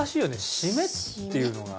締めっていうのが。